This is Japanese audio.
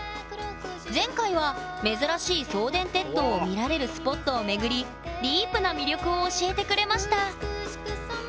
前回は珍しい送電鉄塔を見られるスポットを巡りディープな魅力を教えてくれました